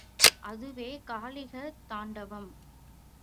அதுவே காளிகா தாண்டவம்.